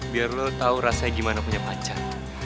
biar lo tau rasanya gimana punya pacar